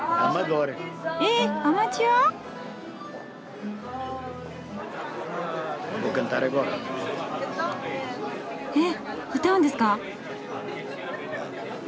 えアマチュア？えっ歌うんですか？